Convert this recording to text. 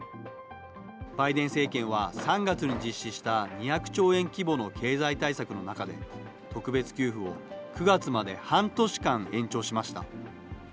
バイデン政権は、３月に実施した２００兆円規模の経済対策の中で、特別給付を９月まで半年間延長しました。